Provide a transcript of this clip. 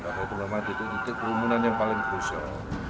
bahwa memang itu itu kerumunan yang paling krusial